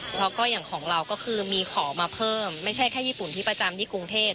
เพราะก็อย่างของเราก็คือมีของมาเพิ่มไม่ใช่แค่ญี่ปุ่นที่ประจำที่กรุงเทพ